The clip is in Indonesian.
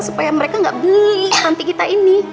supaya mereka gak beli panti kita ini